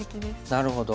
なるほど。